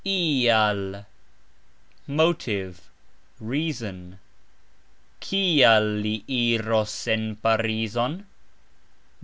"ial", motive, reason. "Kial" li iros en Parizon?